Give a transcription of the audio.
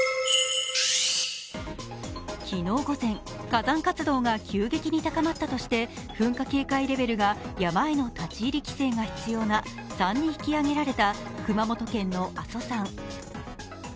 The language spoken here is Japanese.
昨日午前、火山活動が急激に高まったとして、噴火警戒レベルが山への立ち入り規制が必要な３に引き上げられた熊本県の阿蘇山。